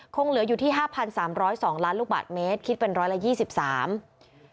คงเหลืออยู่ที่๕๓๐๒ล้านลูกบาทเมตรคิดเป็น๑๒๓ล้านล้านลูกบาท